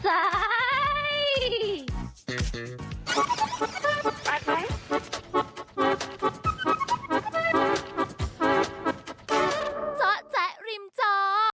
จ๊ะจ๊ะริมจ๊ะ